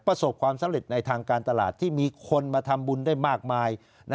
ประสบความสำเร็จในทางการตลาดที่มีคนมาทำบุญได้มากมาย